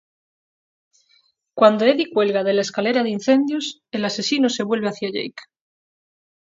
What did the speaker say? Cuando Eddie cuelga de la escalera de incendios, el asesino se vuelve hacia Jake.